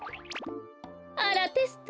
あらテスト？